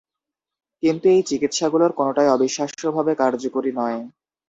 কিন্তু, এই চিকিৎসাগুলোর কোনোটাই অবিশ্বাস্যভাবে কার্যকারী নয়।